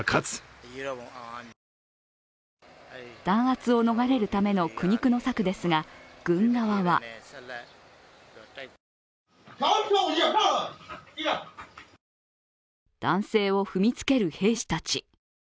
弾圧を逃れるための苦肉の策ですが、軍側は男性を踏みつける兵士たち。